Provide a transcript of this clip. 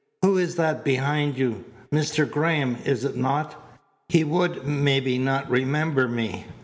Who is that behind you? Mr. Graham, is it not? He would, maybe, not remember me.